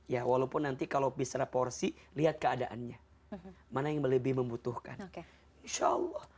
ya walaupun nanti kalau bicara porsi lihat keadaannya mana yang lebih membutuhkan